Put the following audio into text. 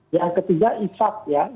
yang ketiga isap ya